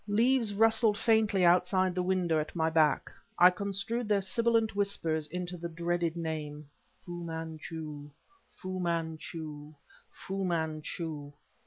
Leaves rustled faintly outside the window at my back: I construed their sibilant whispers into the dreaded name Fu Manchu Fu Manchu Fu Manchu!